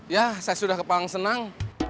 ya saya sudah kepalang senang